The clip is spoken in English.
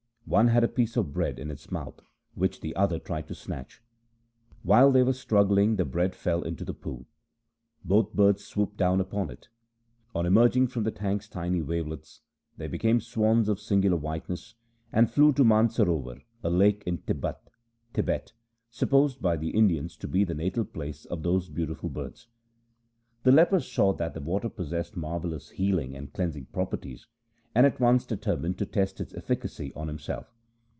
One had a piece of bread in its mouth, which the other tried to snatch. While they were struggling, the bread fell into the pool. Both birds swooped down upon it. On emerging from the tank's tiny wavelets they became swans of singular whiteness, and flew to Mansarowar, a lake in Tibbat (Thibet) supposed by the Indians to be the natal place of those beautiful birds. The leper saw 268 THE SIKH RELIGION that the water possessed marvellous healing and cleansing properties, and at once determined to test its efficacy on himself.